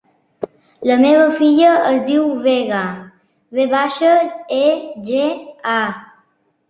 La meva filla es diu Vega: ve baixa, e, ge, a.